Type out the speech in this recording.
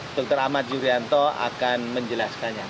dr ahmad yuryanto akan menjelaskannya